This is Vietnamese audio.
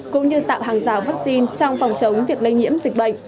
cũng như tạo hàng rào vaccine trong phòng chống việc lây nhiễm dịch bệnh